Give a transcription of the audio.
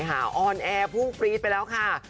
เสน่หาออนแอร์ฟูปรี๊ดไปแล้วค่ะ